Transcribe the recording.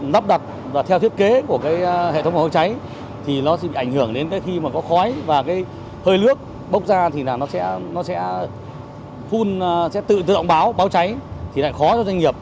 nắp đặt theo thiết kế của hệ thống phòng cháy thì nó sẽ bị ảnh hưởng đến khi có khói và hơi nước bốc ra thì nó sẽ tự động báo cháy thì lại khó cho doanh nghiệp